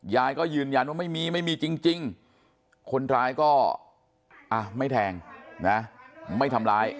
ยายก็ยืนยันว่าไม่มีไม่มีจริงคนร้ายก็ไม่แทงนะไม่ทำร้าย